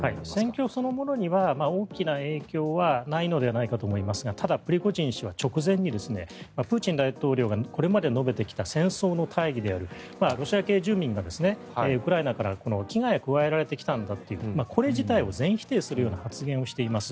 戦況そのものには大きな影響はないのではないかと思いますがただプリゴジン氏は直前にプーチン大統領がこれまで述べてきた戦争の大義であるロシア系住民が、ウクライナから危害を加えられてきたんだというこれ自体を全否定するような発言をしています。